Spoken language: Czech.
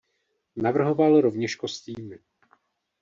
Navrhoval rovněž kostýmy.